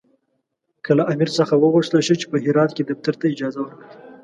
که له امیر څخه وغوښتل شي چې په هرات کې دفتر ته اجازه ورکړي.